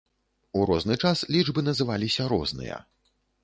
У розны час лічбы называліся розныя.